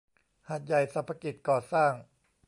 หาดใหญ่สรรพกิจก่อสร้าง